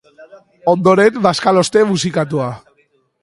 Ondoren, bazkaloste musikatua.